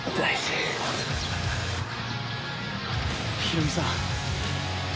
ヒロミさん。